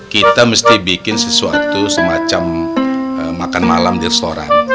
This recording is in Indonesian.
kita mesti bikin sesuatu semacam makan malam di restoran